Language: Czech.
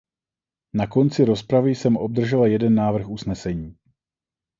Na konci rozpravy jsem obdržela jeden návrh usnesení.